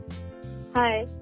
はい。